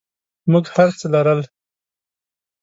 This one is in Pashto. موږ هرڅه لرل.